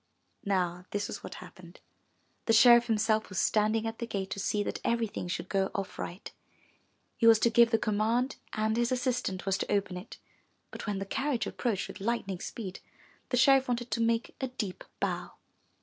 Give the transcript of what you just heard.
Now this was what happened. The sheriff himself was standing at the gate to see that everything should go off right. He was to give the command and his assistant was to open it. But when the carriage approached with lightning speed, the sheriff wanted to make a deep bow.